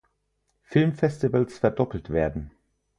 Filmfestivals verdoppelt werden.